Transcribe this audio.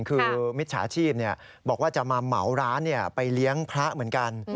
คือมิจฉาชีพบอกว่าจะมาเหมาร้านไปเลี้ยงพระเหมือนกัน